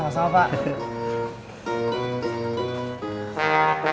ini apa yangversep juga ya pak